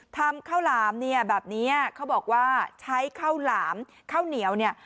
ทำข้าวหลามเนี่ยแบบเนี้ยเขาบอกว่าใช้ข้าวหลามข้าวเหนียวเนี่ย